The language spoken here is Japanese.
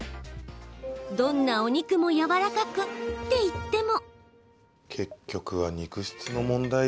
どんなお肉もやわらかくって言っても。